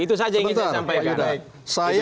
itu saja yang ingin saya sampaikan